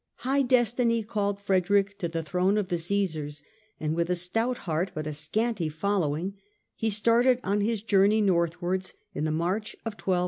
High destiny called Frederick to the throne of the Caesars, and with a stout heart but a scanty follow ing he started on his journey northwards in the March of 1212.